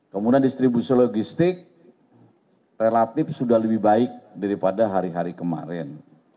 kemudian distribusi logistik relatif sudah lebih baik daripada hari hari kemarin